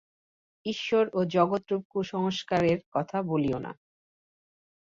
ঈশ্বর ও জগৎরূপ কুসংস্কারের কথা বলিও না।